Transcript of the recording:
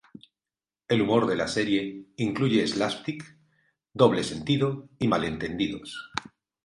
El humor de la serie incluye "slapstick", doble sentido y malentendidos.